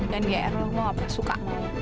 dan ya ero gue gak pernah suka